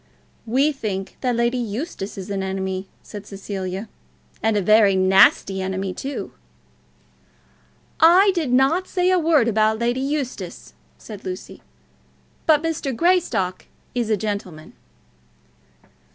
"We think that Lady Eustace is an enemy," said Cecilia, "and a very nasty enemy, too." "I did not say a word about Lady Eustace," said Lucy. "But Mr. Greystock is a gentleman."